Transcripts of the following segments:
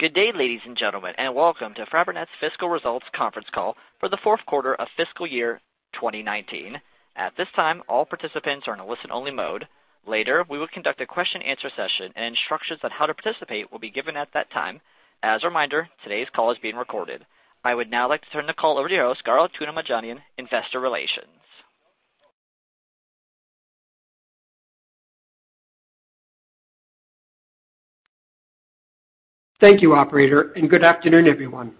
Good day, ladies and gentlemen, and welcome to Fabrinet's Fiscal Results Conference Call for the fourth quarter of fiscal year 2019. At this time, all participants are in a listen-only mode. Later, we will conduct a question and answer session, and instructions on how to participate will be given at that time. As a reminder, today's call is being recorded. I would now like to turn the call over to Garo Toomajanian, Investor Relations. Thank you, operator, good afternoon, everyone.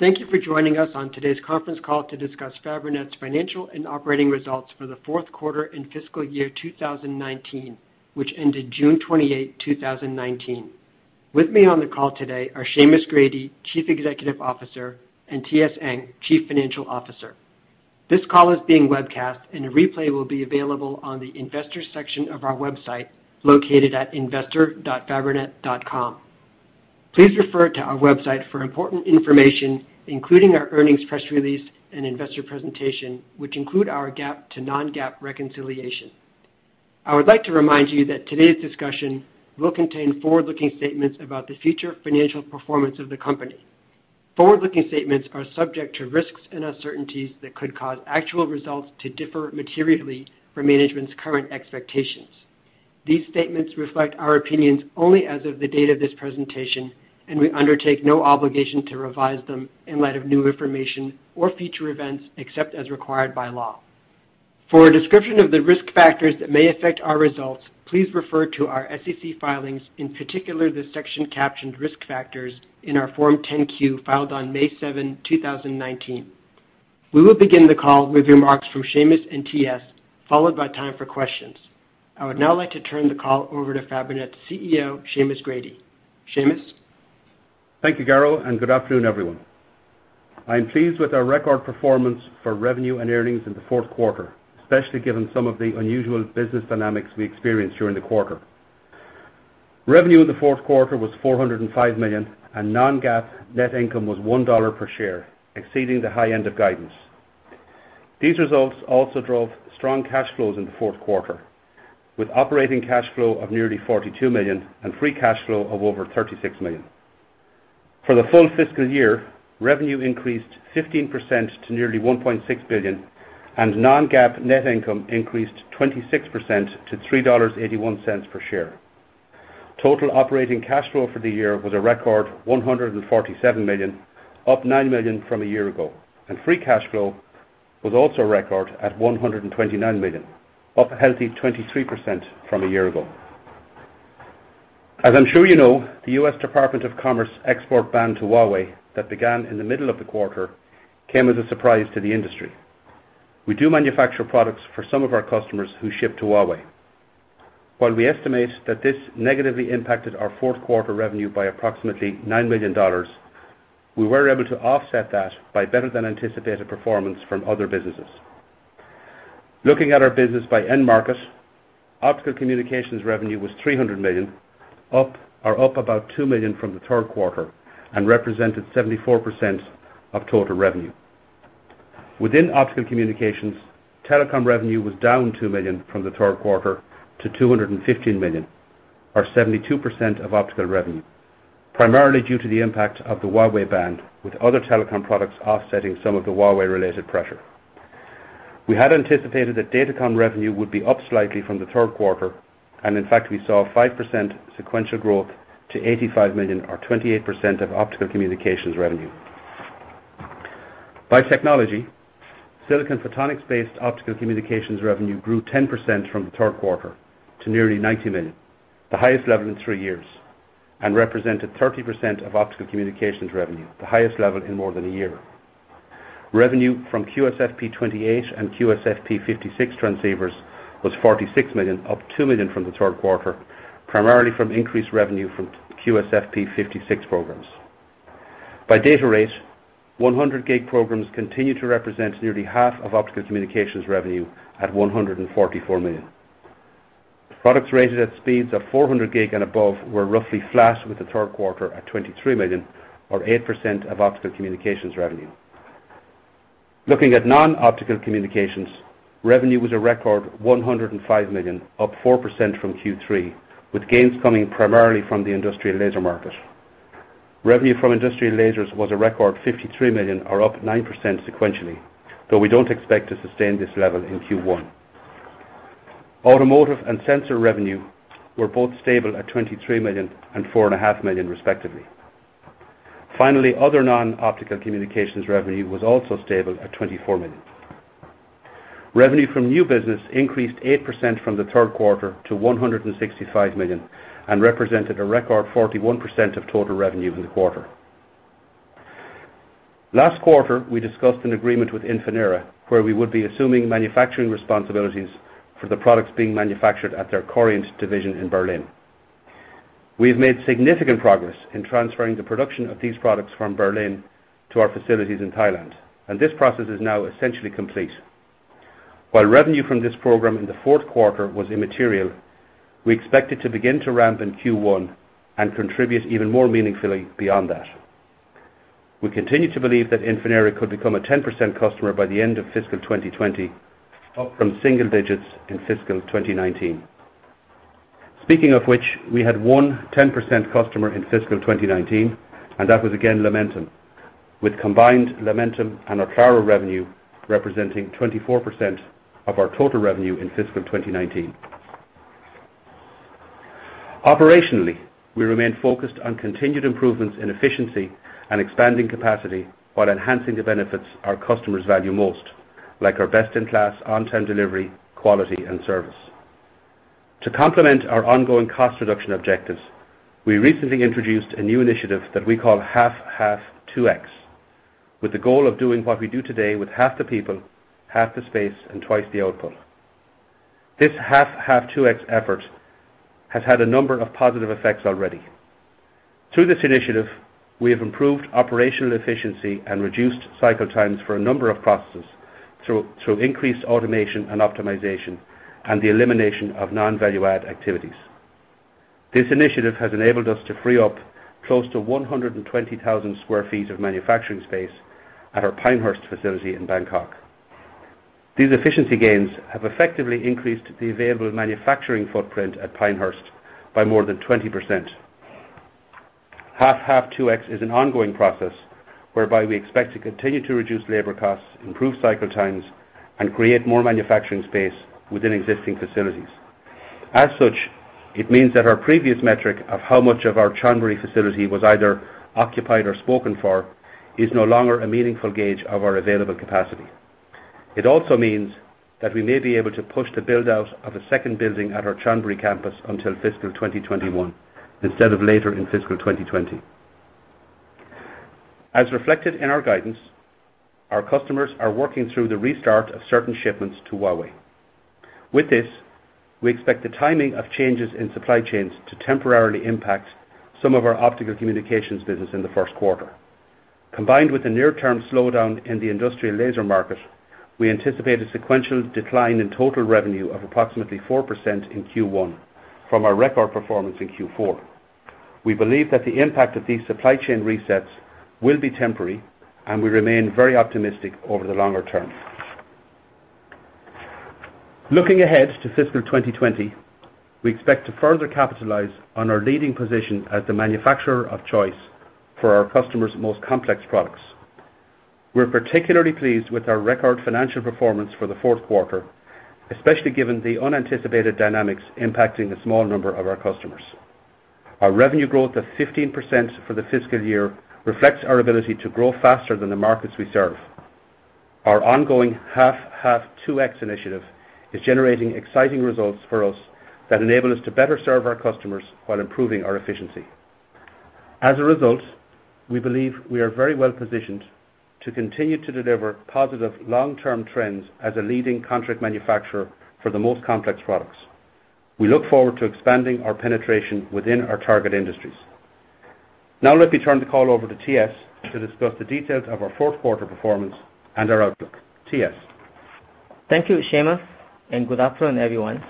Thank you for joining us on today's conference call to discuss Fabrinet's financial and operating results for the fourth quarter and fiscal year 2019, which ended June 28, 2019. With me on the call today are Seamus Grady, Chief Executive Officer, and Toh-Seng Ng, Chief Financial Officer. This call is being webcast, and a replay will be available on the investors section of our website, located at investor.fabrinet.com. Please refer to our website for important information, including our earnings press release and investor presentation, which include our GAAP to non-GAAP reconciliation. I would like to remind you that today's discussion will contain forward-looking statements about the future financial performance of the company. Forward-looking statements are subject to risks and uncertainties that could cause actual results to differ materially from management's current expectations. These statements reflect our opinions only as of the date of this presentation, and we undertake no obligation to revise them in light of new information or future events, except as required by law. For a description of the risk factors that may affect our results, please refer to our SEC filings. In particular, the section captioned risk factors in our Form 10-Q filed on May 7, 2019. We will begin the call with remarks from Seamus and TS, followed by time for questions. I would now like to turn the call over to Fabrinet's CEO, Seamus Grady. Seamus? Thank you, Garo, and good afternoon, everyone. I am pleased with our record performance for revenue and earnings in the fourth quarter, especially given some of the unusual business dynamics we experienced during the quarter. Revenue in the fourth quarter was $405 million, and non-GAAP net income was $1 per share, exceeding the high end of guidance. These results also drove strong cash flows in the fourth quarter, with operating cash flow of nearly $42 million and free cash flow of over $36 million. For the full fiscal year, revenue increased 15% to nearly $1.6 billion, and non-GAAP net income increased 26% to $3.81 per share. Total operating cash flow for the year was a record $147 million, up $9 million from a year ago. And free cash flow was also a record at $129 million, up a healthy 23% from a year ago. As I'm sure you know, the U.S. Department of Commerce export ban to Huawei that began in the middle of the quarter came as a surprise to the industry. We do manufacture products for some of our customers who ship to Huawei. While we estimate that this negatively impacted our fourth quarter revenue by approximately $9 million, we were able to offset that by better than anticipated performance from other businesses. Looking at our business by end market, optical communications revenue was $300 million, or up about $2 million from the third quarter, and represented 74% of total revenue. Within optical communications, telecom revenue was down $2 million from the third quarter to $215 million, or 72% of optical revenue, primarily due to the impact of the Huawei ban, with other telecom products offsetting some of the Huawei-related pressure. We had anticipated that datacom revenue would be up slightly from the third quarter, and in fact, we saw a 5% sequential growth to $85 million, or 28% of optical communications revenue. By technology, silicon photonics-based optical communications revenue grew 10% from the third quarter to nearly $90 million, the highest level in three years, and represented 30% of optical communications revenue, the highest level in more than a year. Revenue from QSFP28 and QSFP56 transceivers was $46 million, up $2 million from the third quarter, primarily from increased revenue from QSFP56 programs. By data rate, 100G programs continue to represent nearly half of optical communications revenue at $144 million. Products rated at speeds of 400G and above were roughly flat with the third quarter at $23 million, or 8% of optical communications revenue. Looking at non-optical communications, revenue was a record $105 million, up 4% from Q3, with gains coming primarily from the industrial laser market. Revenue from industrial lasers was a record $53 million, or up 9% sequentially, though we don't expect to sustain this level in Q1. Automotive and sensor revenue were both stable at $23 million and four and a half million respectively. Finally, other non-optical communications revenue was also stable at $24 million. Revenue from new business increased 8% from the third quarter to $165 million and represented a record 41% of total revenue in the quarter. Last quarter, we discussed an agreement with Infinera where we would be assuming manufacturing responsibilities for the products being manufactured at their Coriant division in Berlin. We have made significant progress in transferring the production of these products from Berlin to our facilities in Thailand, and this process is now essentially complete. While revenue from this program in the fourth quarter was immaterial, we expect it to begin to ramp in Q1 and contribute even more meaningfully beyond that. We continue to believe that Infinera could become a 10% customer by the end of fiscal 2020, up from single digits in fiscal 2019. Speaking of which, we had one 10% customer in fiscal 2019, and that was again Lumentum, with combined Lumentum and Oclaro revenue representing 24% of our total revenue in fiscal 2019. Operationally, we remain focused on continued improvements in efficiency and expanding capacity while enhancing the benefits our customers value most, like our best-in-class on-time delivery, quality, and service. To complement our ongoing cost reduction objectives, we recently introduced a new initiative that we call Half Half 2X, with the goal of doing what we do today with half the people, half the space, and twice the output. This Half Half 2X effort has had a number of positive effects already. Through this initiative, we have improved operational efficiency and reduced cycle times for a number of processes through increased automation and optimization and the elimination of non-value-add activities. This initiative has enabled us to free up close to 120,000 sq ft of manufacturing space at our Pinehurst facility in Bangkok. These efficiency gains have effectively increased the available manufacturing footprint at Pinehurst by more than 20%. Half Half 2X is an ongoing process whereby we expect to continue to reduce labor costs, improve cycle times, and create more manufacturing space within existing facilities. As such, it means that our previous metric of how much of our Chonburi facility was either occupied or spoken for is no longer a meaningful gauge of our available capacity. It also means that we may be able to push the build-out of a second building at our Chonburi campus until fiscal 2021 instead of later in fiscal 2020. As reflected in our guidance, our customers are working through the restart of certain shipments to Huawei. With this, we expect the timing of changes in supply chains to temporarily impact some of our optical communications business in the first quarter. Combined with a near-term slowdown in the industrial laser market, we anticipate a sequential decline in total revenue of approximately 4% in Q1 from our record performance in Q4. We believe that the impact of these supply chain resets will be temporary, and we remain very optimistic over the longer term. Looking ahead to fiscal 2020, we expect to further capitalize on our leading position as the manufacturer of choice for our customers' most complex products. We're particularly pleased with our record financial performance for the fourth quarter, especially given the unanticipated dynamics impacting a small number of our customers. Our revenue growth of 15% for the fiscal year reflects our ability to grow faster than the markets we serve. Our ongoing Half Half 2X initiative is generating exciting results for us that enable us to better serve our customers while improving our efficiency. As a result, we believe we are very well positioned to continue to deliver positive long-term trends as a leading contract manufacturer for the most complex products. We look forward to expanding our penetration within our target industries. Now let me turn the call over to TS to discuss the details of our fourth quarter performance and our outlook. TS? Thank you, Seamus, good afternoon, everyone.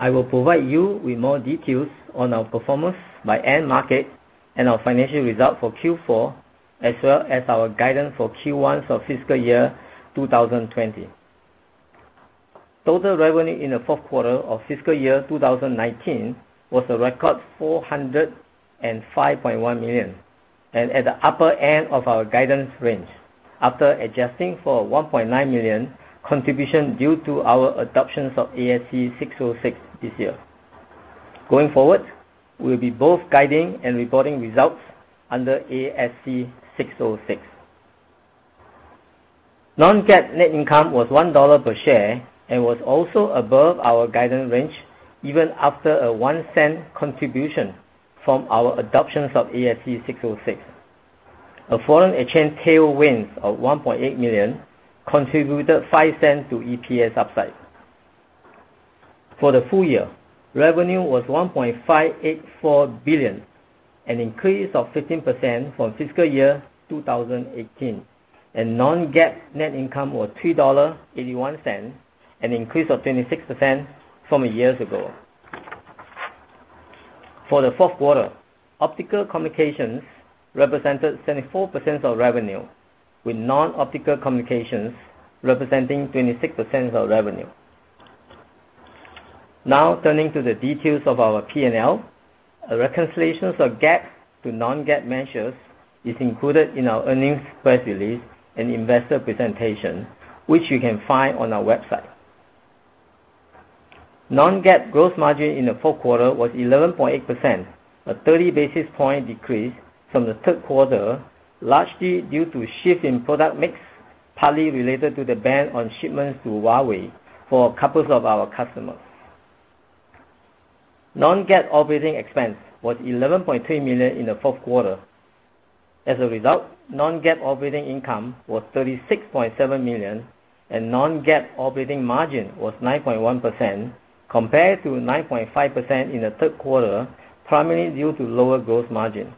I will provide you with more details on our performance by end market and our financial results for Q4, as well as our guidance for Q1 for fiscal year 2020. Total revenue in the fourth quarter of fiscal year 2019 was a record $405.1 million and at the upper end of our guidance range. After adjusting for a $1.9 million contribution due to our adoption of ASC 606 this year. Going forward, we'll be both guiding and reporting results under ASC 606. Non-GAAP net income was $1 per share and was also above our guidance range, even after a $0.01 contribution from our adoption of ASC 606. A foreign exchange tailwind of $1.8 million contributed $0.05 to EPS upside. For the full year, revenue was $1.584 billion, an increase of 15% from fiscal year 2018, and non-GAAP net income was $3.81, an increase of 26% from a year ago. For the fourth quarter, optical communications represented 74% of revenue, with non-optical communications representing 26% of revenue. Turning to the details of our P&L. A reconciliation of GAAP to non-GAAP measures is included in our earnings press release and investor presentation, which you can find on our website. Non-GAAP gross margin in the fourth quarter was 11.8%, a 30-basis point decrease from the third quarter, largely due to a shift in product mix, partly related to the ban on shipments to Huawei for a couple of our customers. Non-GAAP operating expense was $11.3 million in the fourth quarter. As a result, non-GAAP operating income was $36.7 million, and non-GAAP operating margin was 9.1% compared to 9.5% in the third quarter, primarily due to lower gross margin.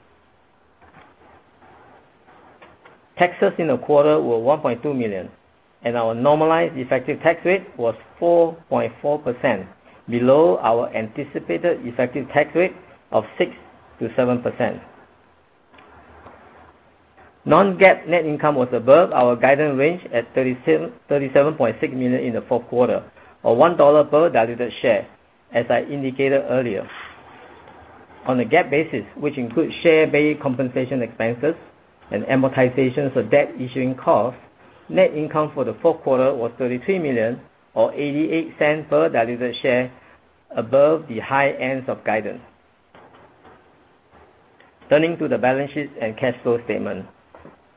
Taxes in the quarter were $1.2 million, and our normalized effective tax rate was 4.4%, below our anticipated effective tax rate of 6%-7%. Non-GAAP net income was above our guidance range at $37.6 million in the fourth quarter, or $1 per diluted share, as I indicated earlier. On a GAAP basis, which includes share-based compensation expenses and amortization for debt issuing costs, net income for the fourth quarter was $33 million, or $0.88 per diluted share, above the high ends of guidance. Turning to the balance sheet and cash flow statement.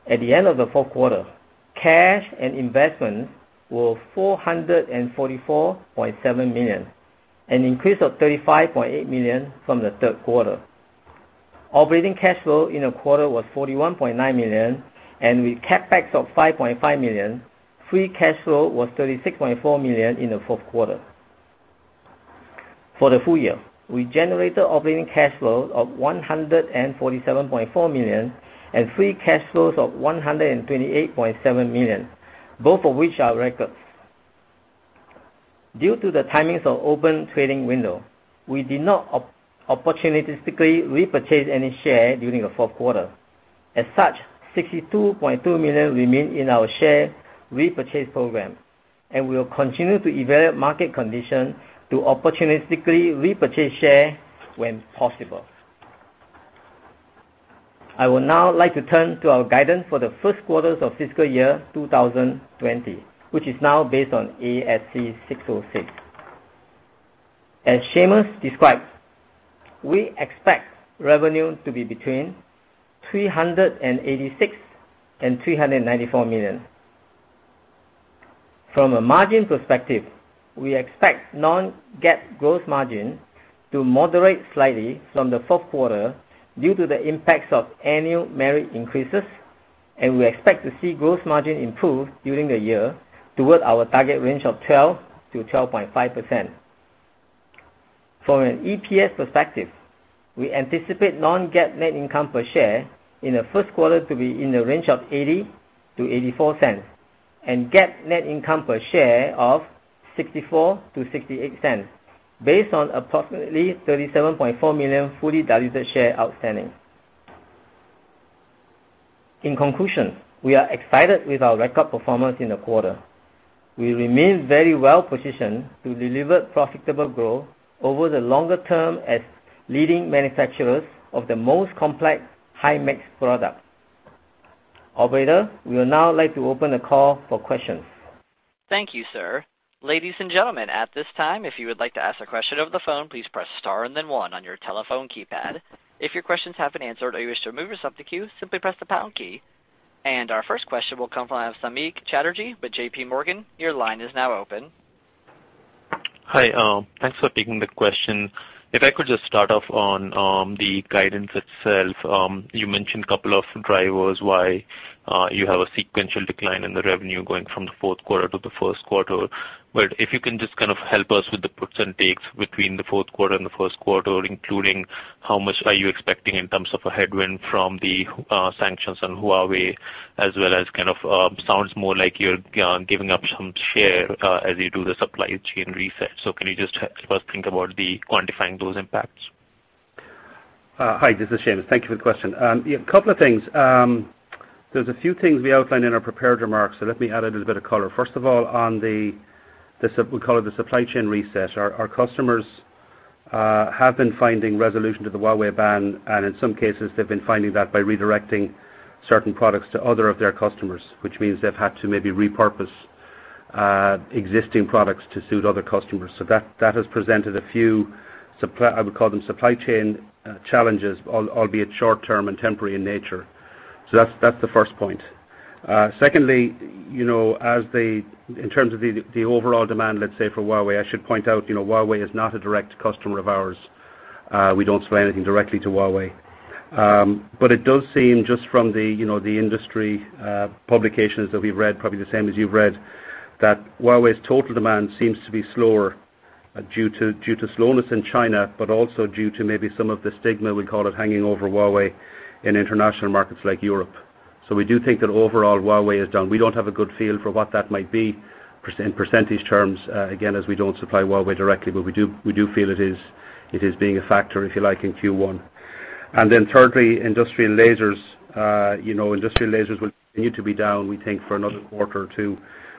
At the end of the fourth quarter, cash and investments were $444.7 million, an increase of $35.8 million from the third quarter. Operating cash flow in the quarter was $41.9 million, with CapEx of $5.5 million, free cash flow was $36.4 million in the fourth quarter. For the full year, we generated operating cash flow of $147.4 million and free cash flows of $128.7 million, both of which are records. Due to the timings of open trading window, we did not opportunistically repurchase any share during the fourth quarter. As such, $62.2 million remain in our share repurchase program, we will continue to evaluate market condition to opportunistically repurchase share when possible. I would now like to turn to our guidance for the first quarter of fiscal year 2020, which is now based on ASC 606. As Seamus described, we expect revenue to be between $386 million and $394 million. From a margin perspective, we expect non-GAAP gross margin to moderate slightly from the fourth quarter due to the impacts of annual merit increases, and we expect to see gross margin improve during the year toward our target range of 12%-12.5%. From an EPS perspective, we anticipate non-GAAP net income per share in the first quarter to be in the range of $0.80-$0.84 and GAAP net income per share of $0.64-$0.68, based on approximately 37.4 million fully diluted shares outstanding. In conclusion, we are excited with our record performance in the quarter. We remain very well positioned to deliver profitable growth over the longer term as leading manufacturers of the most complex high-mix products. Operator, we would now like to open the call for questions. Thank you, sir. Ladies and gentlemen, at this time, if you would like to ask a question over the phone, please press star and then 1 on your telephone keypad. If your questions have been answered or you wish to remove yourself from the queue, simply press the pound key. Our first question will come from Samik Chatterjee with JPMorgan. Your line is now open. Hi. Thanks for taking the question. If I could just start off on the guidance itself. You mentioned a couple of drivers why you have a sequential decline in the revenue going from the fourth quarter to the first quarter. If you can just kind of help us with the puts and takes between the fourth quarter and the first quarter, including how much are you expecting in terms of a headwind from the sanctions on Huawei as well as kind of, sounds more like you're giving up some share as you do the supply chain reset. Can you just help us think about quantifying those impacts? Hi, this is Seamus. Thank you for the question. Yeah, a couple of things. There's a few things we outlined in our prepared remarks. Let me add a little bit of color. First of all, on the, we call it the supply chain reset. Our customers have been finding resolution to the Huawei ban. In some cases, they've been finding that by redirecting certain products to other of their customers, which means they've had to maybe repurpose existing products to suit other customers. That has presented a few, I would call them supply chain challenges, albeit short-term and temporary in nature. That's the first point. Secondly, in terms of the overall demand, let's say for Huawei, I should point out Huawei is not a direct customer of ours. We don't sell anything directly to Huawei. It does seem just from the industry publications that we've read, probably the same as you've read, that Huawei's total demand seems to be slower due to slowness in China, but also due to maybe some of the stigma, we call it, hanging over Huawei in international markets like Europe. We do think that overall Huawei is down. We don't have a good feel for what that might be in percentage terms, again, as we don't supply Huawei directly, but we do feel it is being a factor, if you like, in Q1. Thirdly, industrial lasers. Industrial lasers will continue to be down, we think, for another quarter or two.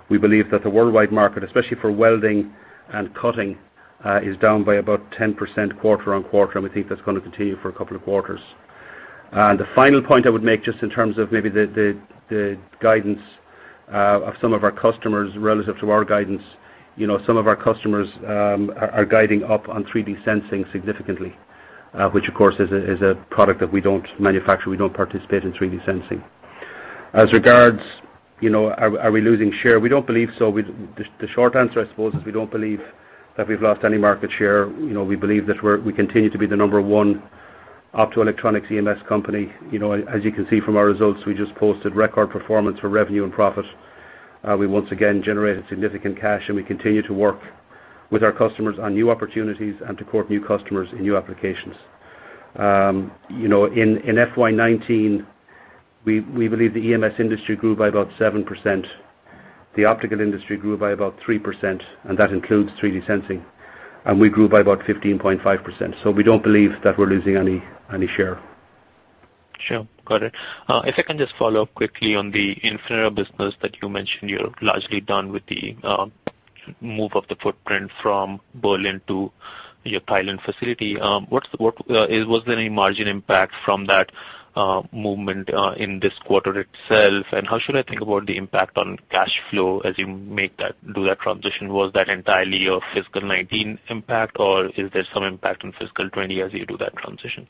We believe that the worldwide market, especially for welding and cutting, is down by about 10% quarter-on-quarter, and we think that's going to continue for a couple of quarters. The final point I would make, just in terms of maybe the guidance of some of our customers relative to our guidance. Some of our customers are guiding up on 3D sensing significantly, which of course is a product that we don't manufacture. We don't participate in 3D sensing. As regards are we losing share? We don't believe so. The short answer, I suppose, is we don't believe that we've lost any market share. We believe that we continue to be the number one optoelectronics EMS company. As you can see from our results, we just posted record performance for revenue and profit. We once again generated significant cash, and we continue to work With our customers on new opportunities and to court new customers in new applications. In FY 2019, we believe the EMS industry grew by about 7%. The optical industry grew by about 3%, and that includes 3D sensing. We grew by about 15.5%. We don't believe that we're losing any share. Sure. Got it. If I can just follow up quickly on the Infinera business that you mentioned you're largely done with the move of the footprint from Berlin to your Thailand facility. Was there any margin impact from that movement in this quarter itself? How should I think about the impact on cash flow as you do that transition? Was that entirely your FY 2019 impact, or is there some impact on FY 2020 as you do that transition?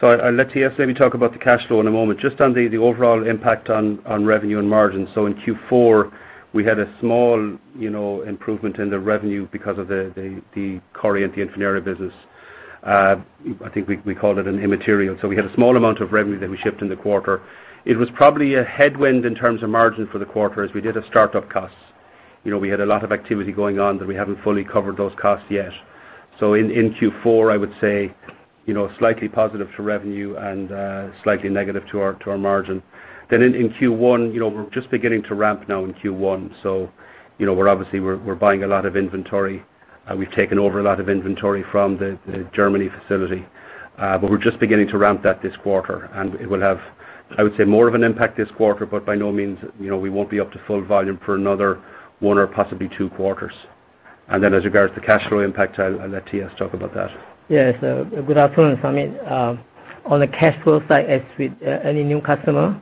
I'll let TS maybe talk about the cash flow in a moment. Just on the overall impact on revenue and margin. In Q4, we had a small improvement in the revenue because of the Coriant, the Infinera business. I think we called it an immaterial. We had a small amount of revenue that we shipped in the quarter. It was probably a headwind in terms of margin for the quarter, as we did a start-up cost. We had a lot of activity going on that we haven't fully covered those costs yet. In Q4, I would say, slightly positive to revenue and slightly negative to our margin. In Q1, we're just beginning to ramp now in Q1, so obviously, we're buying a lot of inventory, and we've taken over a lot of inventory from the Germany facility. We're just beginning to ramp that this quarter, and it will have, I would say, more of an impact this quarter, but by no means, we won't be up to full volume for another one or possibly two quarters. As regards to the cash flow impact, I'll let TS talk about that. Yes. Good afternoon, Samik. On the cash flow side, as with any new customer,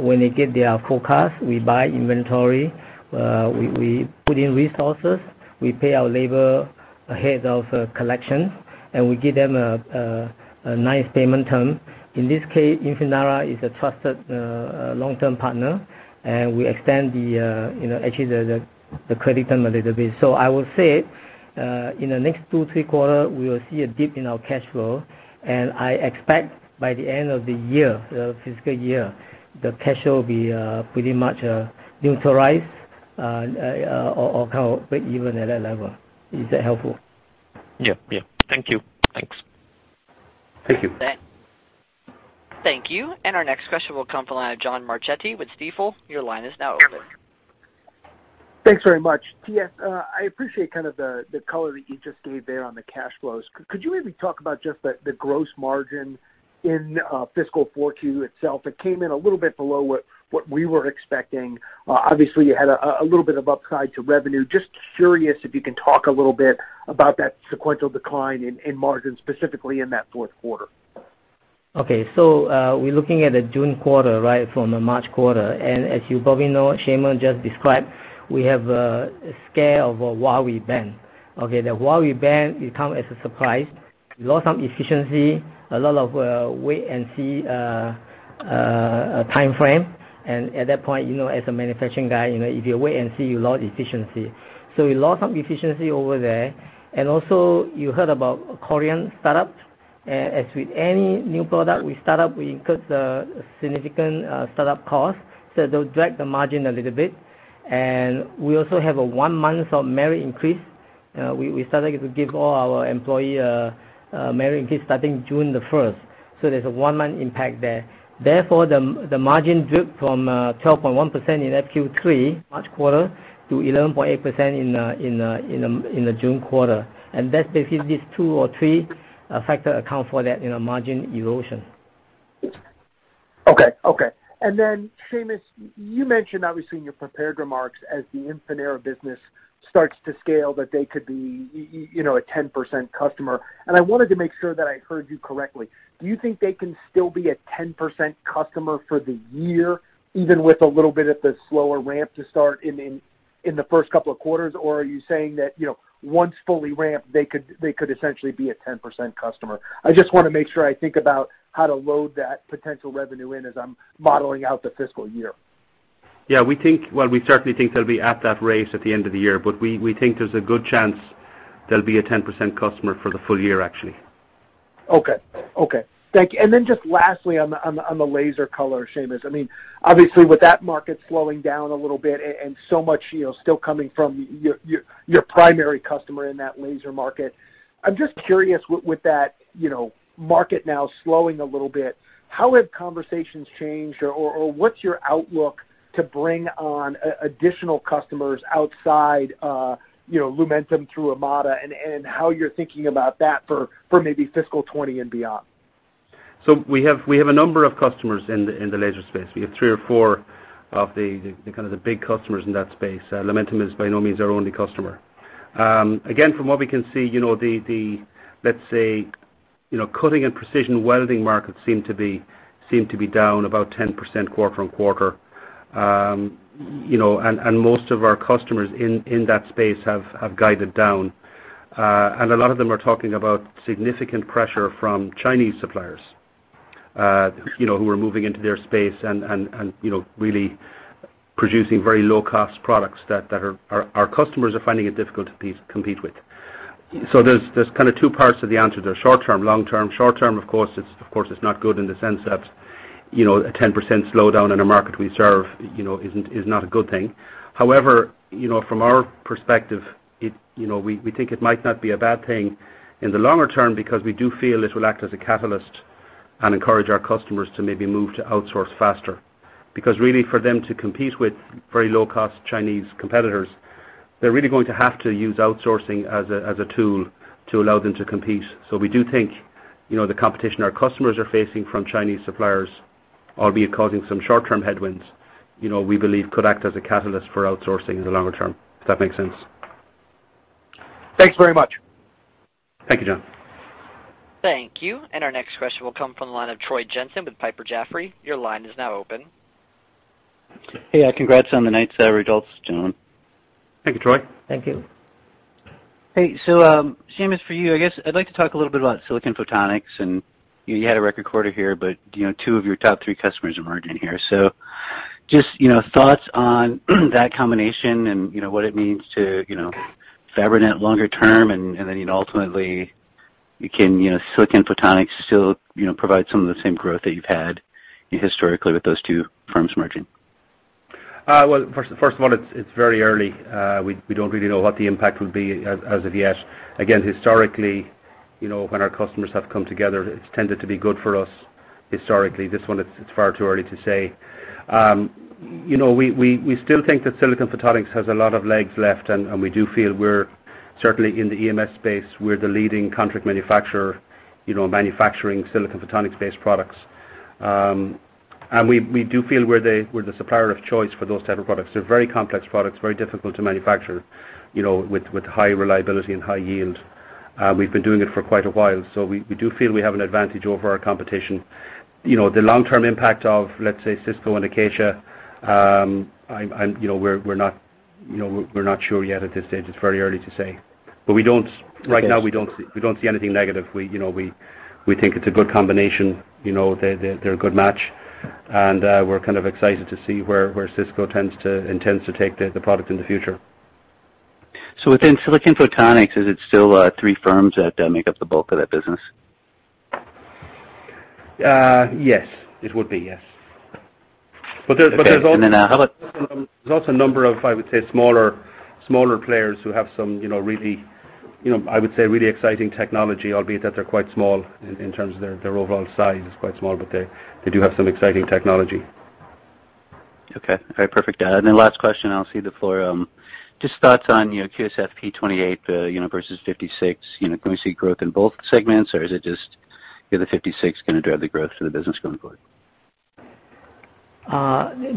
when they give their forecast, we buy inventory, we put in resources, we pay our labor ahead of collection, and we give them a nice payment term. In this case, Infinera is a trusted long-term partner, and we extend actually the credit term a little bit. I would say, in the next two, three quarters, we will see a dip in our cash flow. I expect by the end of the year, the fiscal year, the cash flow will be pretty much neutralized or kind of break even at that level. Is that helpful? Yeah. Thank you. Thanks. Thank you. Thank you. Our next question will come from the line of John Marchetti with Stifel. Your line is now open. Thanks very much. TS, I appreciate kind of the color that you just gave there on the cash flows. Could you maybe talk about just the gross margin in fiscal 4Q itself? It came in a little bit below what we were expecting. Obviously, you had a little bit of upside to revenue. Just curious if you can talk a little bit about that sequential decline in margins, specifically in that fourth quarter. Okay. We're looking at a June quarter, right, from the March quarter. As you probably know, Seamus just described, we have a scare of a Huawei ban. Okay, the Huawei ban, it came as a surprise. We lost some efficiency, a lot of wait-and-see timeframe. At that point, as a manufacturing guy, if you wait and see, you lose efficiency. We lost some efficiency over there. Also, you heard about Coriant start-up. As with any new product, we start up, we incur the significant start-up cost. That will drag the margin a little bit. We also have a one month of merit increase. We started to give all our employees a merit increase starting June the 1st. There's a one-month impact there. Therefore, the margin dropped from 12.1% in that Q3, March quarter, to 11.8% in the June quarter. That's basically these two or three factor account for that margin erosion. Okay. Seamus, you mentioned, obviously, in your prepared remarks as the Infinera business starts to scale, that they could be a 10% customer. I wanted to make sure that I heard you correctly. Do you think they can still be a 10% customer for the year, even with a little bit of the slower ramp to start in the first couple of quarters? Are you saying that, once fully ramped, they could essentially be a 10% customer? I just want to make sure I think about how to load that potential revenue in as I'm modeling out the fiscal year. Yeah. Well, we certainly think they'll be at that rate at the end of the year, but we think there's a good chance they'll be a 10% customer for the full year, actually. Okay. Thank you. Then just lastly on the laser color, Seamus, obviously with that market slowing down a little bit and so much still coming from your primary customer in that laser market, I'm just curious with that market now slowing a little bit, how have conversations changed? Or what's your outlook to bring on additional customers outside Lumentum through Amada and how you're thinking about that for maybe fiscal 2020 and beyond? We have a number of customers in the laser space. We have three or four of the kind of the big customers in that space. Lumentum is by no means our only customer. Again, from what we can see, let's say, cutting and precision welding markets seem to be down about 10% quarter-on-quarter. Most of our customers in that space have guided down. A lot of them are talking about significant pressure from Chinese suppliers who are moving into their space and really producing very low-cost products that our customers are finding it difficult to compete with. There's kind of two parts to the answer there, short term, long term. Short term, of course, it's not good in the sense that a 10% slowdown in a market we serve is not a good thing. From our perspective, we think it might not be a bad thing in the longer term because we do feel it will act as a catalyst and encourage our customers to maybe move to outsource faster. Really for them to compete with very low-cost Chinese competitors, they're really going to have to use outsourcing as a tool to allow them to compete. We do think, the competition our customers are facing from Chinese suppliers, albeit causing some short-term headwinds, we believe could act as a catalyst for outsourcing in the longer term. If that makes sense. Thanks very much. Thank you, John. Thank you. Our next question will come from the line of Troy Jensen with Piper Jaffray. Your line is now open. Hey, congrats on the night's results, John. Thank you, Troy. Thank you. Hey, Seamus, for you, I guess I'd like to talk a little bit about silicon photonics, and you had a record quarter here, but two of your top three customers are merging here. Just, thoughts on that combination and what it means to Fabrinet longer term, and then ultimately, can silicon photonics still provide some of the same growth that you've had historically with those two firms merging? Well, first of all, it's very early. We don't really know what the impact would be as of yet. Again, historically, when our customers have come together, it's tended to be good for us historically. This one, it's far too early to say. We still think that silicon photonics has a lot of legs left, and we do feel we're certainly in the EMS space. We're the leading contract manufacturer, manufacturing silicon photonics-based products. We do feel we're the supplier of choice for those type of products. They're very complex products, very difficult to manufacture, with high reliability and high yield. We've been doing it for quite a while, so we do feel we have an advantage over our competition. The long-term impact of, let's say, Cisco and Acacia, we're not sure yet at this stage. It's very early to say. Right now, we don't see anything negative. We think it's a good combination. They're a good match, and we're kind of excited to see where Cisco intends to take the product in the future. Within silicon photonics, is it still three firms that make up the bulk of that business? Yes. It would be, yes. Okay. How about? There's also a number of, I would say, smaller players who have some, I would say, really exciting technology, albeit that they're quite small in terms of their overall size is quite small, but they do have some exciting technology. Okay. All right. Perfect. Last question, and I'll cede the floor. Just thoughts on QSFP28 versus QSFP56. Can we see growth in both segments, or is it just the QSFP56 going to drive the growth for the business going forward?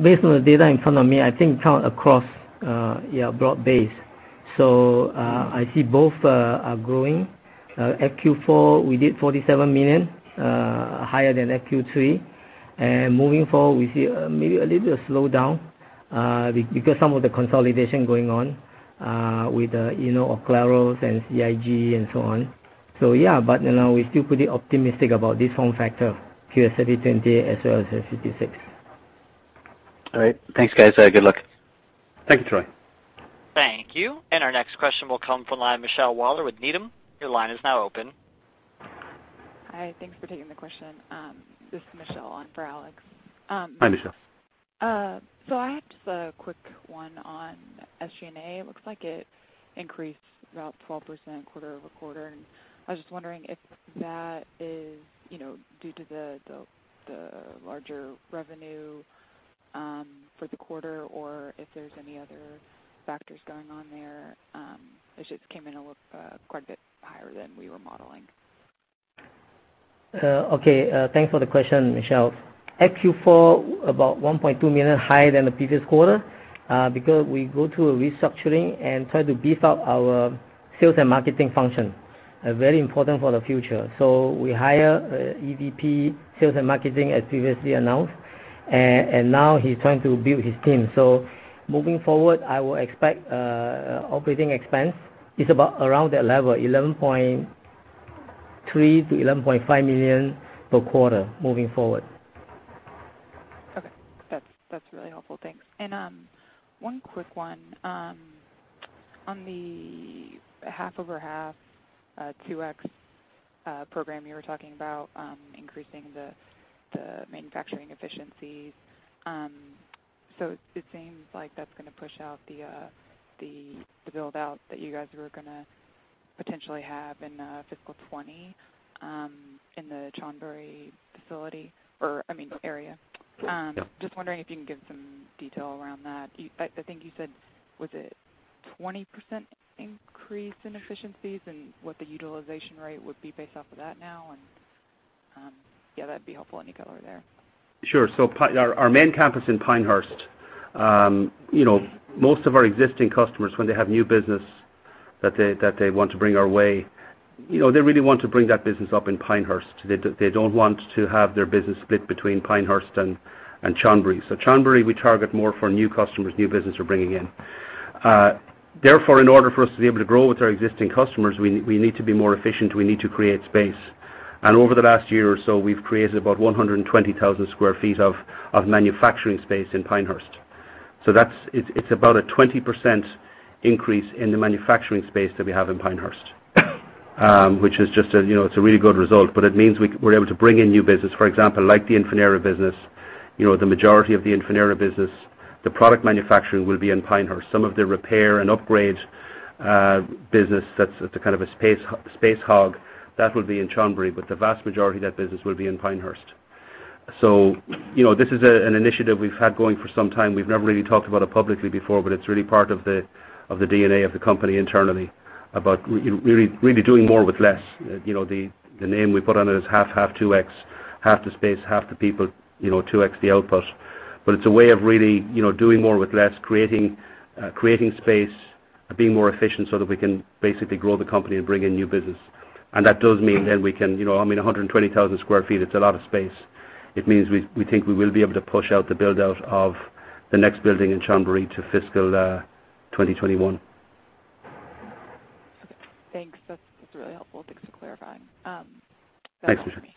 Based on the data in front of me, I think kind of across broad base. I see both are growing. FQ4, we did $47 million, higher than FQ3. Moving forward, we see maybe a little bit of slowdown, because some of the consolidation going on with Oclaro and CIG and so on. Yeah, we're still pretty optimistic about this form factor, QSFP28 as well as the 56. All right. Thanks, guys. Good luck. Thank you, Troy. Thank you. Our next question will come from the line of Michelle Waller with Needham. Your line is now open. Hi, thanks for taking the question. This is Michelle on for Alex. Hi, Michelle. I had just a quick one on SG&A. It looks like it increased about 12% quarter-over-quarter, and I was just wondering if that is due to the larger revenue for the quarter, or if there's any other factors going on there. It just came in a little quite a bit higher than we were modeling. Okay, thanks for the question, Michelle. FQ4, about $1.2 million higher than the previous quarter, because we go through a restructuring and try to beef up our sales and marketing function, very important for the future. We hire a EVP, sales and marketing, as previously announced. Now he's trying to build his team. Moving forward, I will expect operating expense is about around that level, $11.3 million-$11.5 million per quarter moving forward. Okay. That's really helpful. Thanks. One quick one. On the Half Half 2X program you were talking about, increasing the manufacturing efficiencies. It seems like that's going to push out the build-out that you guys were going to potentially have in fiscal 2020 in the Chonburi facility, or I mean, area. Yeah. Just wondering if you can give some detail around that. I think you said, was it 20% increase in efficiencies, and what the utilization rate would be based off of that now? Yeah, that'd be helpful, any color there. Sure. Our main campus in Pinehurst, most of our existing customers, when they have new business that they want to bring our way, they really want to bring that business up in Pinehurst. They don't want to have their business split between Pinehurst and Chonburi. Chonburi, we target more for new customers, new business we're bringing in. Therefore, in order for us to be able to grow with our existing customers, we need to be more efficient, we need to create space. Over the last year or so, we've created about 120,000 square feet of manufacturing space in Pinehurst. So it's about a 20% increase in the manufacturing space that we have in Pinehurst, which is a really good result. It means we're able to bring in new business, for example, like the Infinera business, the majority of the Infinera business, the product manufacturing will be in Pinehurst. Some of their repair and upgrade business, that's kind of a space hog, that will be in Chonburi, but the vast majority of that business will be in Pinehurst. This is an initiative we've had going for some time. We've never really talked about it publicly before, but it's really part of the DNA of the company internally about really doing more with less. The name we put on it is Half Half 2X, half the space, half the people, 2X the output. It's a way of really doing more with less, creating space, being more efficient so that we can basically grow the company and bring in new business. That does mean then we can, I mean, 120,000 square feet, it's a lot of space. It means we think we will be able to push out the build-out of the next building in Chonburi to fiscal 2021. Okay, thanks. That's really helpful. Thanks for clarifying. Thanks, Michelle.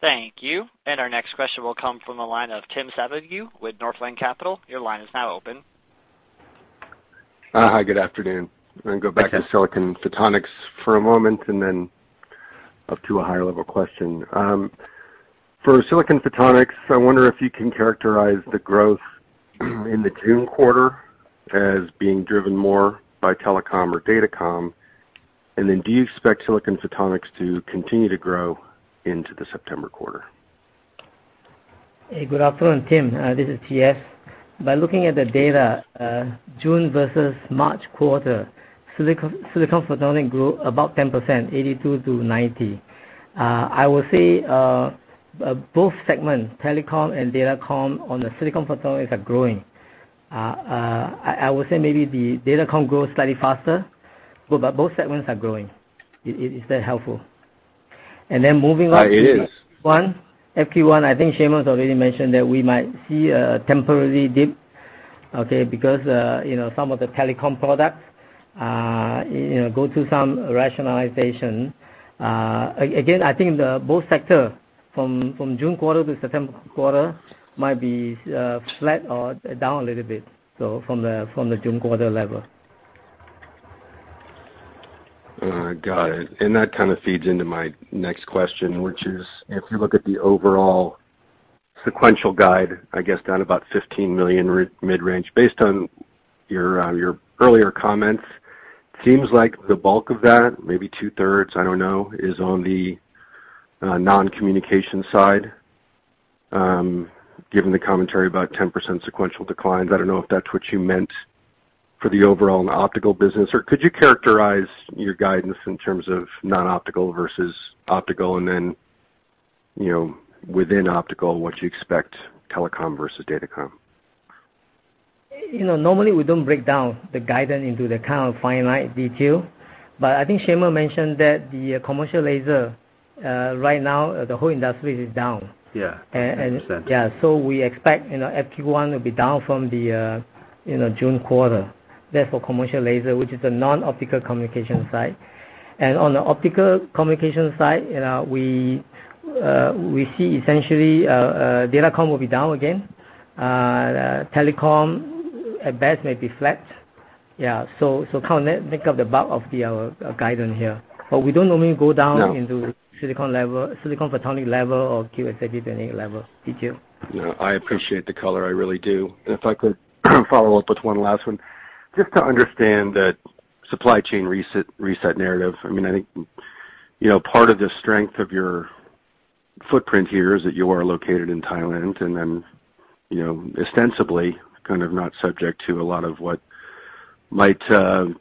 Thank you. Our next question will come from the line of Tim Savageaux with Northland Capital. Your line is now open. Hi, good afternoon. Hi, Tim. I'm going to go back to silicon photonics for a moment and then up to a higher level question. For silicon photonics, I wonder if you can characterize the growth in the June quarter as being driven more by telecom or datacom. Do you expect silicon photonics to continue to grow into the September quarter? Hey, good afternoon, Tim. This is TS. By looking at the data, June versus March quarter, silicon photonics grew about 10%, $82-$90. I will say both segments, telecom and datacom on the silicon photonics are growing. I would say maybe the datacom grows slightly faster, both segments are growing. Is that helpful? Moving on. It is. to Q1, I think Seamus has already mentioned that we might see a temporary dip, okay, because some of the telecom products go through some rationalization. Again, I think both sectors from June quarter to September quarter might be flat or down a little bit, so from the June quarter level. Got it. That kind of feeds into my next question, which is, if you look at the overall sequential guide, I guess down about $15 million mid-range, based on your earlier comments, seems like the bulk of that, maybe two-thirds, I don't know, is on the non-communication side, given the commentary about 10% sequential declines. I don't know if that's what you meant for the overall in the optical business. Could you characterize your guidance in terms of non-optical versus optical, and then, within optical, what you expect telecom versus datacom? Normally we don't break down the guidance into the kind of finite detail, but I think Seamus mentioned that the commercial laser right now, the whole industry is down. Yeah. I understand. Yeah. We expect Q1 will be down from the June quarter. That's for commercial laser, which is the non-optical communication side. On the optical communication side, we see essentially datacom will be down again. telecom, at best, may be flat. Yeah. Kind of make up the bulk of our guidance here. We don't normally go down- No into silicon photonic level or give a specific level detail. No, I appreciate the color, I really do. If I could follow up with one last one, just to understand the supply chain reset narrative. I think part of the strength of your footprint here is that you are located in Thailand, then ostensibly kind of not subject to a lot of what might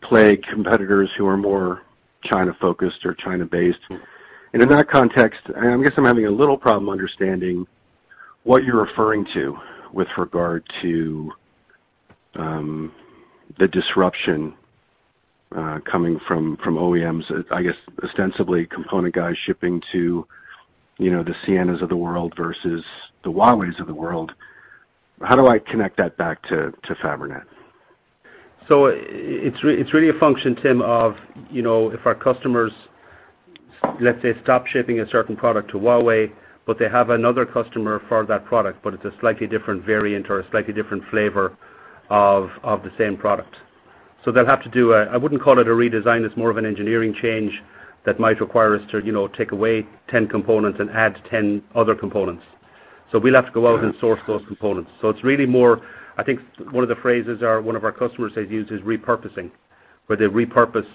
plague competitors who are more China-focused or China-based. In that context, I guess I'm having a little problem understanding what you're referring to with regard to the disruption coming from OEMs, I guess ostensibly component guys shipping to the Ciena of the world versus the Huawei of the world. How do I connect that back to Fabrinet? It's really a function, Tim, of if our customers, let's say, stop shipping a certain product to Huawei, but they have another customer for that product, but it's a slightly different variant or a slightly different flavor of the same product. They'll have to do a, I wouldn't call it a redesign, it's more of an engineering change that might require us to take away 10 components and add 10 other components. We'll have to go out and source those components. It's really more, I think one of the phrases one of our customers has used is repurposing, where they repurpose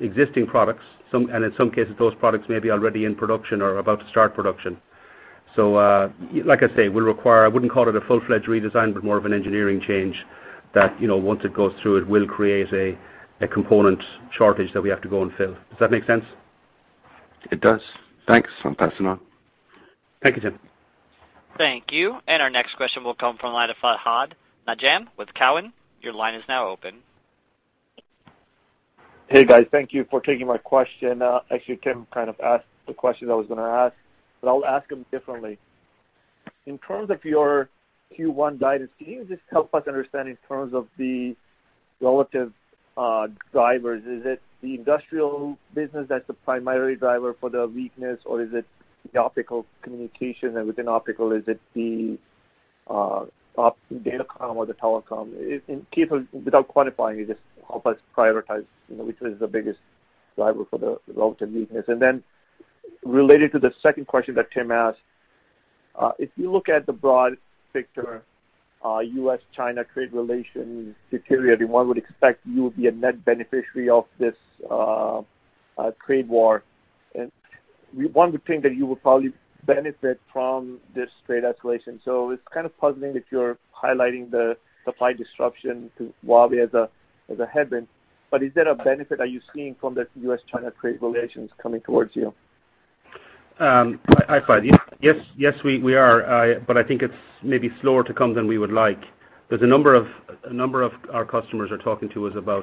existing products. In some cases, those products may be already in production or about to start production. Like I say, we require, I wouldn't call it a full-fledged redesign, but more of an engineering change that once it goes through, it will create a component shortage that we have to go and fill. Does that make sense? It does. Thanks. I'm passing on. Thank you, Tim. Thank you. Our next question will come from line of Fahad Najam with Cowen. Your line is now open. Thank you for taking my question. Actually, Tim kind of asked the question I was going to ask, I'll ask them differently. In terms of your Q1 guidance, can you just help us understand in terms of the relative drivers, is it the industrial business that's the primary driver for the weakness, or is it the optical communications? Within optical, is it the datacom or the telecom? Without quantifying it, just help us prioritize which is the biggest driver for the relative weakness. Related to the second question that Tim asked, if you look at the broad picture, U.S.-China trade relations deteriorating, one would expect you would be a net beneficiary of this trade war. One would think that you would probably benefit from this trade escalation. It's kind of puzzling if you're highlighting the supply disruption to Huawei as a headwind, but is there a benefit are you seeing from the U.S.-China trade relations coming towards you? Hi, Fahad. Yes, we are. I think it's maybe slower to come than we would like. A number of our customers are talking to us about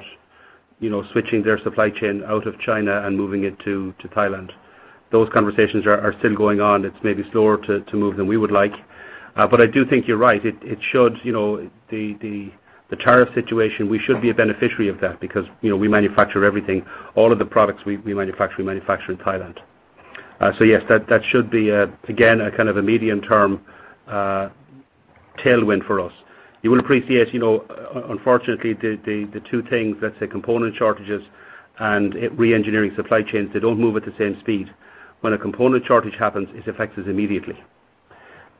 switching their supply chain out of China and moving it to Thailand. Those conversations are still going on. It's maybe slower to move than we would like. I do think you're right. The tariff situation, we should be a beneficiary of that because we manufacture everything, all of the products we manufacture, we manufacture in Thailand. Yes, that should be, again, a kind of a medium-term tailwind for us. You will appreciate, unfortunately, the two things, let's say, component shortages and re-engineering supply chains, they don't move at the same speed. When a component shortage happens, it affects us immediately.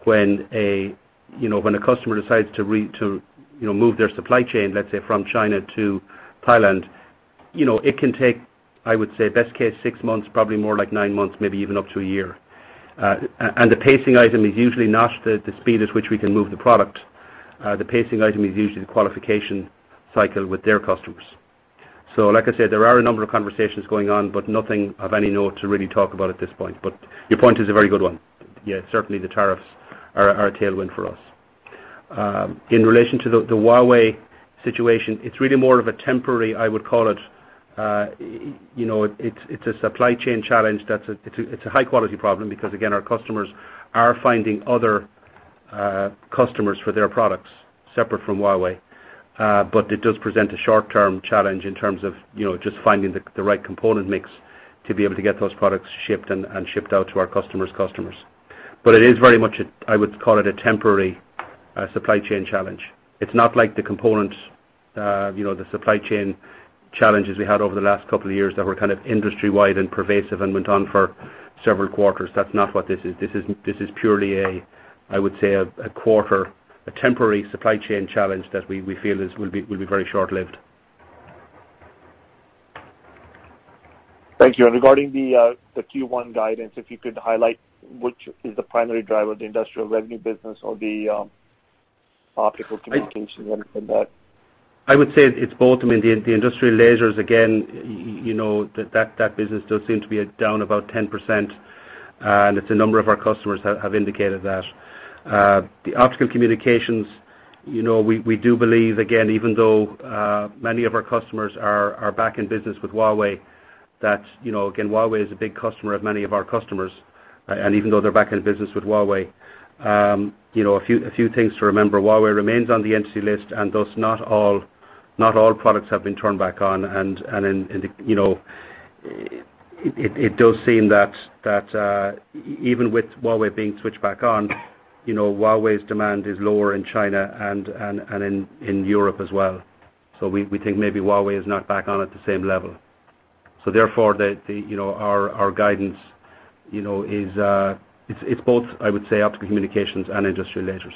When a customer decides to move their supply chain, let's say, from China to Thailand, it can take, I would say, best case, six months, probably more like nine months, maybe even up to one year. The pacing item is usually not the speed at which we can move the product. The pacing item is usually the qualification cycle with their customers. Like I said, there are a number of conversations going on, but nothing of any note to really talk about at this point. Your point is a very good one. Certainly the tariffs are a tailwind for us. In relation to the Huawei situation, it's really more of a temporary, I would call it's a supply chain challenge that it's a high-quality problem because, again, our customers are finding other customers for their products separate from Huawei. It does present a short-term challenge in terms of just finding the right component mix to be able to get those products shipped and shipped out to our customers' customers. It is very much, I would call it, a temporary supply chain challenge. It's not like the supply chain challenges we had over the last couple of years that were kind of industry-wide and pervasive and went on for several quarters. That's not what this is. This is purely, I would say, a quarter, a temporary supply chain challenge that we feel will be very short-lived. Thank you. Regarding the Q1 guidance, if you could highlight which is the primary driver, the industrial revenue business or the optical communications, whatever from that. I would say it's both. I mean, the industrial lasers, again, that business does seem to be down about 10%. It's a number of our customers have indicated that. The optical communications, we do believe, again, even though many of our customers are back in business with Huawei, that, again, Huawei is a big customer of many of our customers. Even though they're back in business with Huawei, a few things to remember, Huawei remains on the Entity List, and thus not all products have been turned back on. It does seem that even with Huawei being switched back on, Huawei's demand is lower in China and in Europe as well. We think maybe Huawei is not back on at the same level. Therefore, our guidance, it's both, I would say, optical communications and industrial lasers.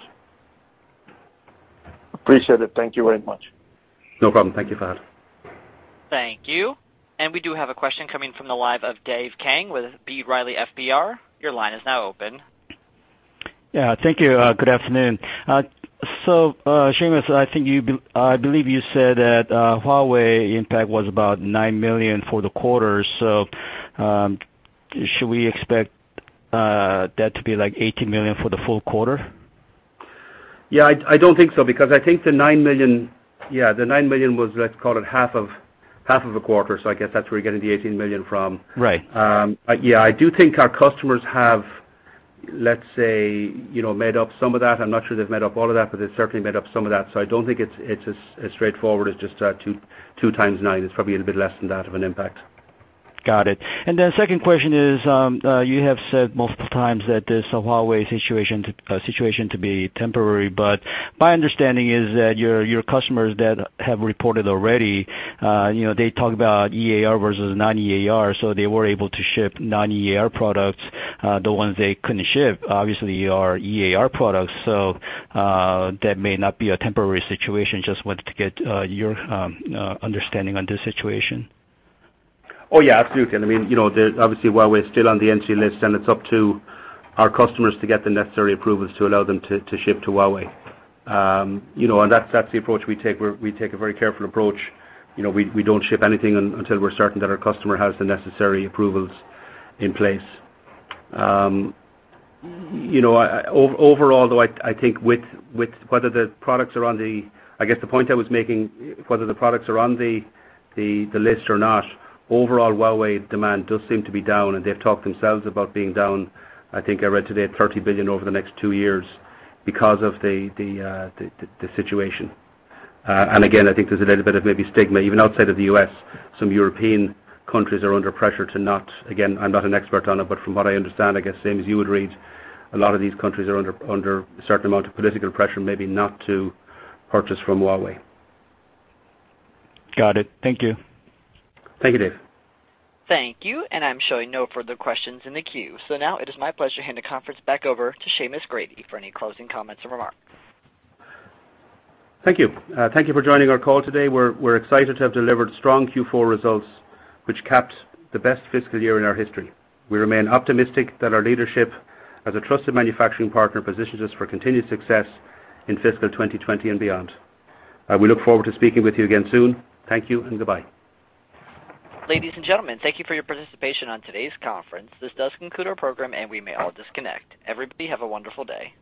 Appreciate it. Thank you very much. No problem. Thank you, Fahad. Thank you. We do have a question coming from the line of Dave Kang with B. Riley FBR. Your line is now open. Thank you. Good afternoon. Seamus, I believe you said that Huawei impact was about $9 million for the quarter. Should we expect that to be like $18 million for the full quarter? Yeah, I don't think so, because I think the $9 million, yeah, the $9 million was, let's call it half of a quarter, so I guess that's where you're getting the $18 million from. Right. Yeah, I do think our customers have, let's say, made up some of that. I'm not sure they've made up all of that, but they've certainly made up some of that. I don't think it's as straightforward as just two times nine. It's probably a little bit less than that of an impact. Got it. Second question is, you have said multiple times that this Huawei situation to be temporary. My understanding is that your customers that have reported already, they talk about EAR versus non-EAR, they were able to ship non-EAR products. The ones they couldn't ship, obviously, are EAR products. That may not be a temporary situation. Just wanted to get your understanding on this situation. Oh, yeah, absolutely. I mean, obviously Huawei is still on the Entity List, and it's up to our customers to get the necessary approvals to allow them to ship to Huawei. That's the approach we take, we take a very careful approach. We don't ship anything until we're certain that our customer has the necessary approvals in place. I guess the point I was making, whether the products are on the list or not, overall Huawei demand does seem to be down, and they've talked themselves about being down, I think I read today, $30 billion over the next two years because of the situation. Again, I think there's a little bit of maybe stigma, even outside of the U.S., some European countries are under pressure to not, again, I'm not an expert on it, but from what I understand, I guess same as you would read, a lot of these countries are under a certain amount of political pressure, maybe not to purchase from Huawei. Got it. Thank you. Thank you, Dave. Thank you. I'm showing no further questions in the queue. Now it is my pleasure to hand the conference back over to Seamus Grady for any closing comments or remarks. Thank you. Thank you for joining our call today. We're excited to have delivered strong Q4 results, which capped the best fiscal year in our history. We remain optimistic that our leadership as a trusted manufacturing partner positions us for continued success in fiscal 2020 and beyond. I will look forward to speaking with you again soon. Thank you and goodbye. Ladies and gentlemen, thank you for your participation on today's conference. This does conclude our program, and we may all disconnect. Everybody, have a wonderful day.